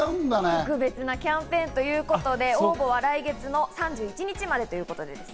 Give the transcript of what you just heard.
特別なキャンペーンということで、応募は来月３１日までということです。